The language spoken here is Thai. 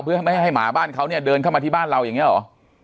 เพื่อไม่ให้หมาบ้านเขาเนี่ยเดินเข้ามาที่บ้านเราอย่างนี้หรอ